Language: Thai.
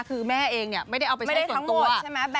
คือแม่เองไม่ได้เอาไปใช้ส่วนตัว